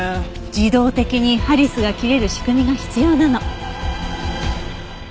自動的にハリスが切れる仕組みが必要なの。